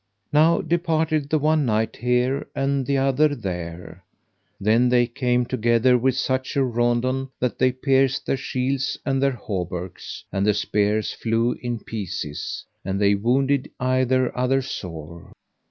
Now departed the one knight here, and the other there. Then they came together with such a raundon that they pierced their shields and their hauberks, and the spears flew in pieces, and they wounded either other sore.